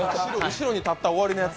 後ろに立ったら終わりのやつ。